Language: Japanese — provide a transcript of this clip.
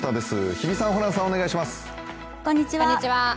日比さん、ホランさん、お願いします。